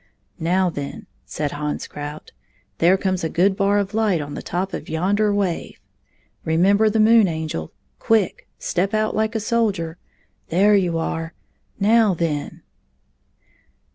"Now, then," said Hans Krout, "there comes a good bar of light on the top of yonder wave. Remember the Moon Angel — quick! — step out like a soldier. There you are — now, then!"